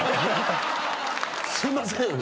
すいません。